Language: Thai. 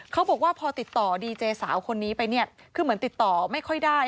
เขาบอกว่าพอติดต่อดีเจสาวคนนี้ไปเนี่ยคือเหมือนติดต่อไม่ค่อยได้